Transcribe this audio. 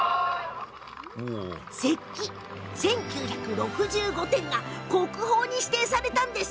石器、１９６５点が国宝に指定されたんです。